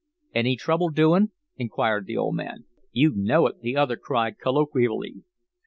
"Any trouble doin'?" inquired the old man. "You KNOW it!" the other cried, colloquially.